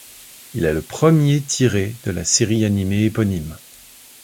Il est le premier tiré de la série animée éponyme.